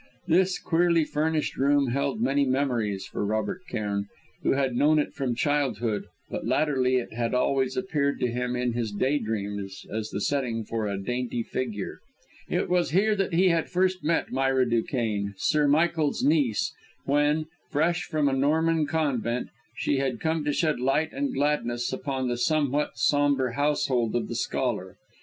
This queerly furnished room held many memories for Robert Cairn, who had known it from childhood, but latterly it had always appeared to him in his daydreams as the setting for a dainty figure. It was here that he had first met Myra Duquesne, Sir Michael's niece, when, fresh from a Norman convent, she had come to shed light and gladness upon the somewhat, sombre household of the scholar.